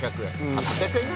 ８００円